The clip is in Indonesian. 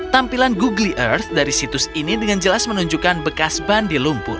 tampilan googley earth dari situs ini dengan jelas menunjukkan bekas ban di lumpur